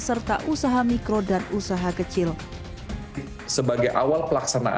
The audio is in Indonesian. serta usaha mikro dan usaha kecil